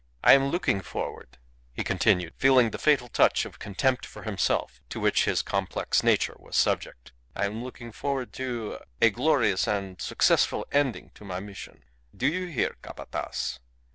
I am looking forward," he continued, feeling the fatal touch of contempt for himself to which his complex nature was subject, "I am looking forward to a glorious and successful ending to my mission. Do you hear, Capataz?